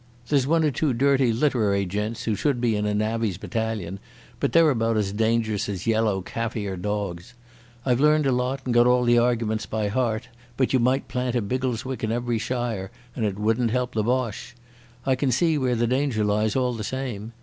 There's one or two dirty literary gents who should be in a navvies' battalion, but they're about as dangerous as yellow Kaffir dogs. I've learned a lot and got all the arguments by heart, but you might plant a Biggleswick in every shire and it wouldn't help the Boche. I can see where the danger lies all the same.